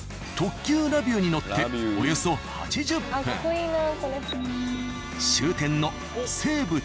特急ラビューに乗っておよそ８０分。